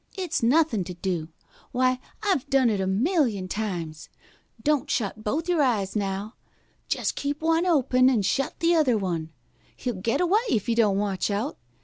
It's nothin' to do. Why, I've done it a million times. Don't shut both your eyes, now. Jus' keep one open and shut the other one. He'll get away if you don't watch out.